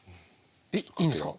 えっいいんですか？